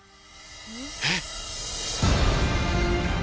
えっ！？